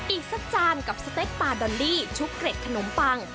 อีกสักจานกับสเต็กปลาดอลลี่ชุบเกร็ดขนมปัง